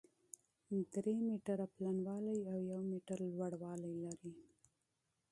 درې متره پلنوالی او يو متر لوړوالی لري،